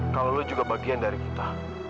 kalau lo juga bagian dari kita